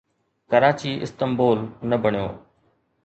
Karachi Istanbul نه بڻيو